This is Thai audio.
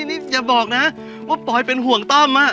เอออย่าบอกนะว่าปลอยเป็นห่วงต้มอ่ะ